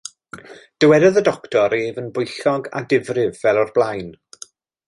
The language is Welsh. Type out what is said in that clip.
Dywedodd y doctor ef yn bwyllog a difrif fel o'r blaen.